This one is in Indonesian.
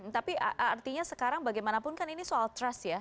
tapi artinya sekarang bagaimanapun kan ini soal trust ya